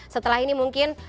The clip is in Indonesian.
setelah ini mungkin